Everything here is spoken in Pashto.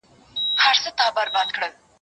زه کولای سم مينه وښيم